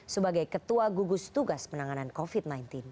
sebagai ketua gugus tugas penanganan covid sembilan belas